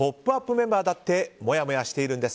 メンバーだってもやもやしているんです！